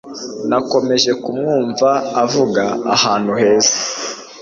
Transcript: Nakomeje kumwumva avuga Ahantu heza